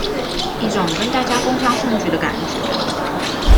一種跟大家共襄盛舉的感覺